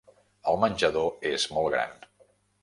El menjador és molt gran.